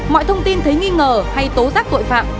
mọi thông tin thấy nghi ngờ hay tố giác tội phạm